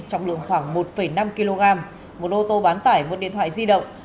trọng lượng khoảng một năm kg một ô tô bán tải một điện thoại di động